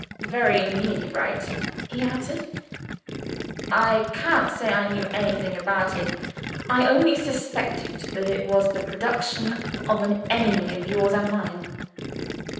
"Very nearly right," he answered. "I can't say I knew anything about it. I only suspected that it was the production of an enemy of yours and mine."